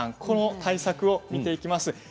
この対策を見ていきます。